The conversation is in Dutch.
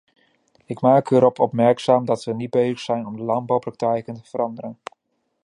Ik maak u erop opmerkzaam dat we niet bezig zijn om landbouwpraktijken te veranderen.